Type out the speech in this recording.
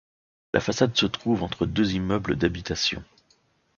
La façade se trouve entre deux immeubles d'habitation.